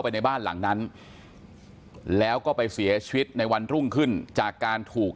ในบ้านหลังนั้นแล้วก็ไปเสียชีวิตในวันรุ่งขึ้นจากการถูก